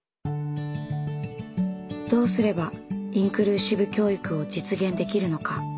どうすればインクルーシブ教育を実現できるのか。